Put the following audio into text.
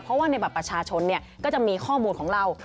เพราะว่าในบัตรประชาชนก็จะมีข้อมูลของเรา